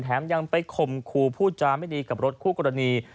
แถมยังไปคมคูพูดฉาไม่ดีกับรถคู่กรณี